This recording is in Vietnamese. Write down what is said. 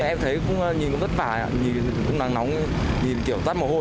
em thấy cũng nhìn cũng tất vả nhìn cũng nắng nóng nhìn kiểu tắt mồ hôi